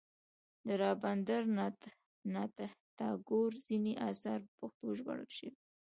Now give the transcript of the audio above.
د رابندر ناته ټاګور ځینې اثار په پښتو ژباړل شوي.